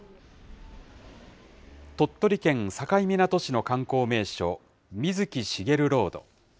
鳥取県境港市の観光名所、水木しげるロード。